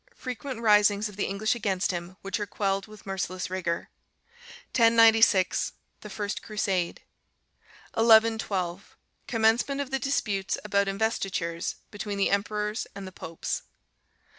Frequent risings of the English against him, which are quelled with merciless rigour. 1096. The first Crusade. 1112. Commencement of the disputes about investitures between the emperors and the popes.